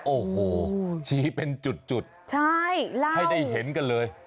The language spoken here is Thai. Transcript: โอ้โหชี้เป็นจุดให้ได้เห็นกันเลย